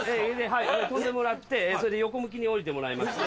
はい跳んでもらって横向きに下りてもらいまして。